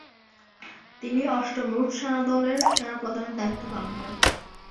তিনি অষ্টম রুট সেনাদলের সেনাপ্রধানের দায়িত্ব পালন করেন।